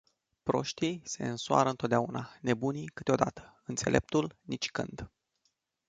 Proștii se însoară totdeauna, nebunii câteodată, înțeleptul nicicând.